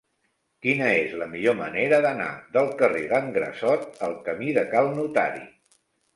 Quina és la millor manera d'anar del carrer d'en Grassot al camí de Cal Notari?